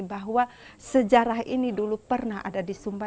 bahwa sejarah ini dulu pernah ada di sumba